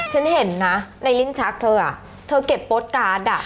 ฉันเห็นนะในลิ้นชักเธอเธอเก็บโป๊ตการ์ดอ่ะ